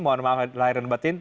mohon maaf lahirin batin